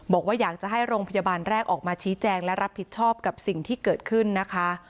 บอกว่าอยากจะให้โรงพยาบาลแรกออกมาชี้แจงและรับผิดชอบกับสิ่งที่เกิดขึ้นนะคะ